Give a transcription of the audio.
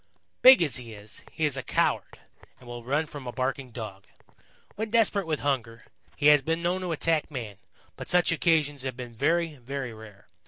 "Big as he is, he is a coward and will run from a barking Dog. When desperate with hunger, he has been known to attack man, but such occasions have been very, very rare.